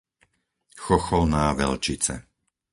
Chocholná-Velčice